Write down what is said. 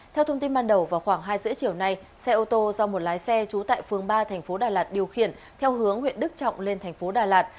theo thông tin ban đầu vào khoảng hai h ba mươi chiều nay xe ô tô do một lái xe trú tại phương ba thành phố đà lạt điều khiển theo hướng huyện đức trọng lên thành phố đà lạt